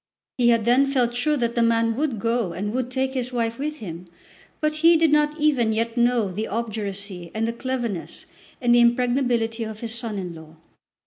He had then felt sure that the man would go and would take his wife with him, but he did not even yet know the obduracy and the cleverness and the impregnability of his son in law.